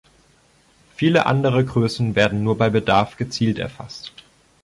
Viele andere Größen werden nur bei Bedarf gezielt erfasst.